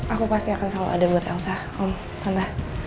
aku pasti akan selalu ada buat elsa om tante